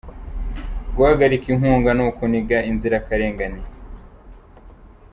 Guhagarika inkunga ni ukuniga inzirakarengane